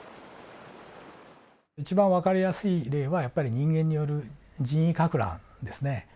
一番わかりやすい例はやっぱり人間による人為かく乱ですね。